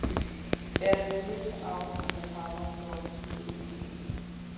Er studierte auch an der Harvard Law School.